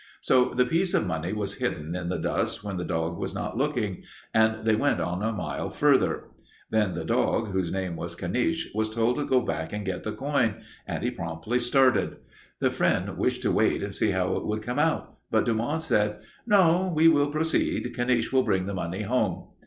"So the piece of money was hidden in the dust when the dog was not looking, and they went on a mile farther. Then the dog, whose name was Caniche, was told to go back and get the coin, and he promptly started. The friend wished to wait and see how it would come out, but Dumont said, 'No, we will proceed. Caniche will bring the money home.'